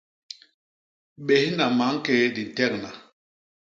Bésna mankéé di ntegna.